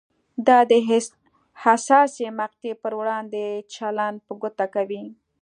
دا د حساسې مقطعې پر وړاندې چلند په ګوته کوي.